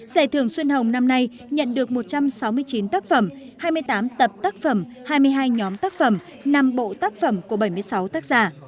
giải thưởng xuân hồng năm nay nhận được một trăm sáu mươi chín tác phẩm hai mươi tám tập tác phẩm hai mươi hai nhóm tác phẩm năm bộ tác phẩm của bảy mươi sáu tác giả